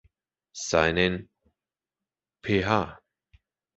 Seinen Ph.